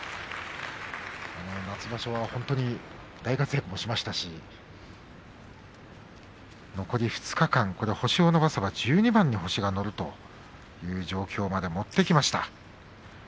夏場所は本当に大活躍しましたし残り２日間、星を伸ばせば１２番星がのるという状況まで持ってきました。